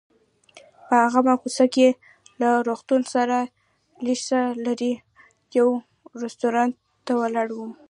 په هماغه کوڅه کې له روغتون څخه لږ څه لرې یو رستورانت ته ولاړم.